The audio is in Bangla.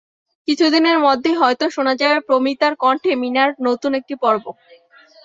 কিছুদিনের মধ্যেই হয়তো শোনা যাবে প্রমিতার কণ্ঠে মীনার নতুন একটি পর্ব।